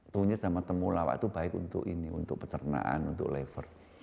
kunyit sama temulawak itu baik untuk ini untuk pecernaan untuk lever